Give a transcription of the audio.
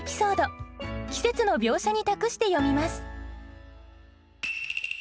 季節の描写に託して詠みます。